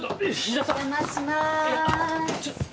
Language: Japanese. お邪魔します。